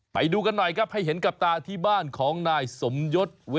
ไปดูกันหน่อยให้เห็นกับตาที่บ้านของนาย